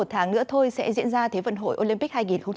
một tháng nữa thôi sẽ diễn ra thế vận hội olympic hai nghìn hai mươi